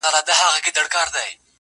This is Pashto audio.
د زړه جيب كي يې ساتم انځورونه ،گلابونه.